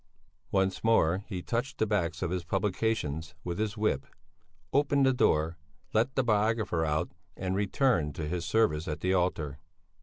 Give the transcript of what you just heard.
Once more he touched the backs of his publications with his whip, opened the door, let the biographer out and returned to his service at the altar.